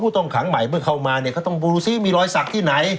ต้องขังใหม่เมื่อเข้ามาเนี่ยก็ต้องดูซิมีรอยสักที่ไหน